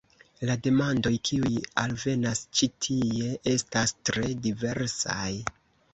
La demandoj kiuj alvenas ĉi tie estas tre diversaj.